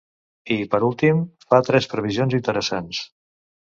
I, per últim, fa tres previsions interessants.